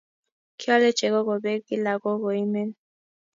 Kiole chego kobek kila ko koimen.